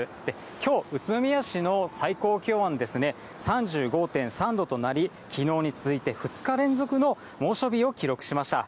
きょう、宇都宮市の最高気温はですね、３５．３度となり、きのうに続いて２日連続の猛暑日を記録しました。